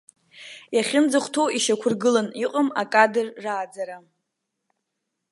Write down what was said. Иахьынӡахәҭоу ишьақәыргылан иҟам акадр рааӡара.